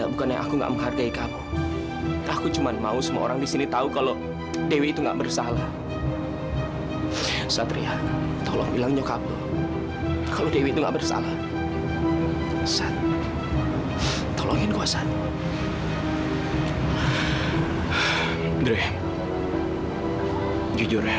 bukan mama bukan pembunuh mama bukan pembunuh